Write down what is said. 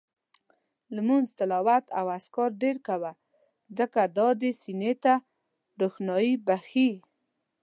لمونځ، تلاوت او اذکار ډېر کوه، ځکه دا دې سینې ته روښاني بخښي